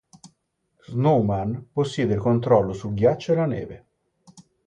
Snowman possiede il controllo sul ghiaccio e la neve.